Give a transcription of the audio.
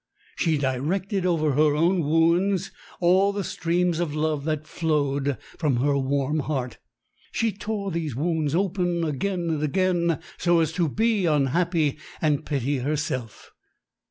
She directed over her own wounds all the streams of love that flowed from her warm heart. She tore these wounds open again and again so as to be unhappy and pity herself.